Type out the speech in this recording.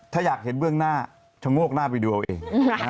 ถ้าอยากเห็นเบื้องหน้าชะโงกหน้าไปดูเอาเอง